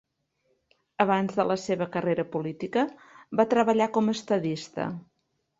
Abans de la seva carrera política va treballar com a estadista.